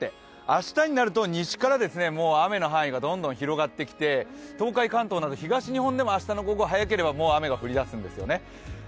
明日になると西から雨の範囲がどんどん広がってきて東海、関東など東日本でも明日の午後に早ければもう雨が降り出すんですよね。